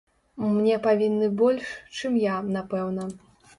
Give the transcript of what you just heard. Мне павінны больш, чым я, напэўна.